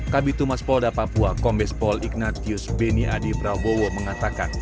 kabupaten puncak papua komis pol ignatius beni adi prabowo mengatakan